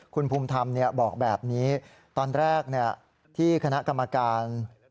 คุณภูมิธรรมบอกแบบนี้ตอนแรกที่คณะกรรมการ